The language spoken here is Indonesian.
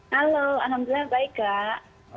halo alhamdulillah baik kak